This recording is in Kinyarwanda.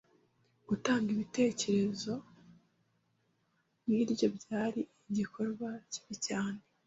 Gutanga itegeko nk’iryo byari igikorwa kibi cyane